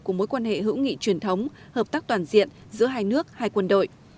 của mối quan hệ hữu nghị truyền thống hợp tác toàn diện giữa hai nước hai quân đội